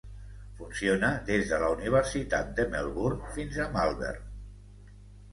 Funciona des de la Universitat de Melbourne fins a Malvern.